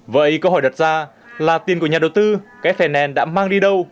vậy câu hỏi đặt ra là tiền của nhà đầu tư ks financial đã mang đi đâu